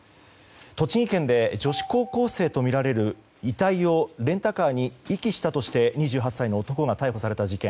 栃木県で女子高校生とみられる遺体をレンタカーに遺棄したとして２８歳の男が逮捕された事件。